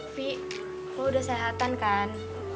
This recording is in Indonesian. fi lo udah sehatan kan